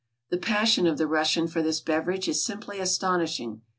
The passion of the Russian for this beverage is simply astonishing.